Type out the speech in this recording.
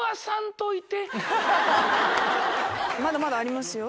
まだまだありますよ。